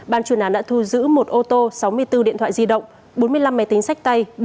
ban chuyên án đã thu giữ một ô tô sáu mươi bốn điện thoại di động bốn mươi năm máy tính sách tay